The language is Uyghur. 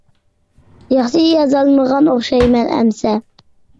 ياخشى يازالمىغان ئوخشايمەن ئەمىسە.